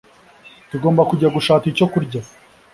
Tugomba kujya gushaka icyo kurya.